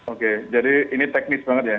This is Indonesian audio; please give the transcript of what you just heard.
oke jadi ini teknis banget ya